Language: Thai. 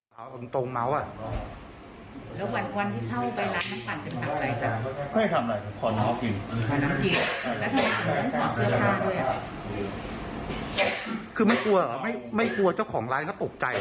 ผมจะหยุดกินแล้วแต่ว่าไม่ยังค่อย๑นาที